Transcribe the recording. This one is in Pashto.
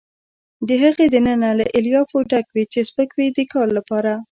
د هغې دننه له الیافو ډک وي چې سپک وي د کار لپاره.